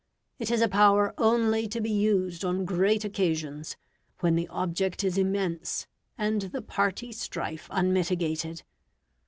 It is a power only to be used on great occasions, when the object is immense, and the party strife unmitigated.